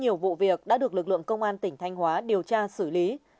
nhiều vụ việc đã được lực lượng công an tỉnh thanh hóa điều tra xử lý